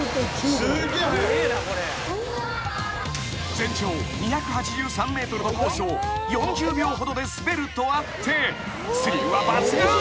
［全長２８３ｍのコースを４０秒ほどで滑るとあってスリルは抜群］